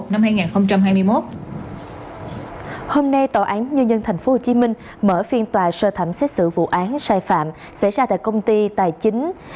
hôm nay tòa án nhân dân tp hcm mở phiên tòa sơ thẩm xét xử vụ án sai phạm xảy ra tại công ty tài chính